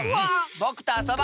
ぼくとあそぶ！